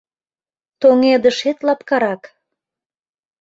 Тоҥедышет лапкарак.